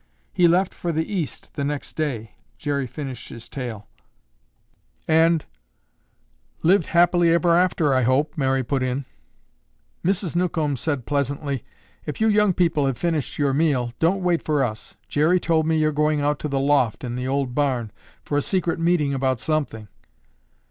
"He left for the East the next day," Jerry finished his tale, "and—" "Lived happily ever after, I hope," Mary put in. Mrs. Newcomb said pleasantly, "If you young people have finished your meal, don't wait for us. Jerry told me you're going out to the loft in the old barn for a secret meeting about something."